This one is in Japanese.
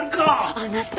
あなた。